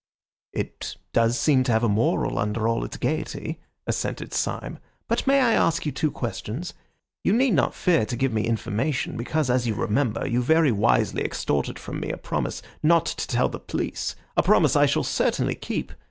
"It does seem to have a moral under all its gaiety," assented Syme; "but may I ask you two questions? You need not fear to give me information, because, as you remember, you very wisely extorted from me a promise not to tell the police, a promise I shall certainly keep.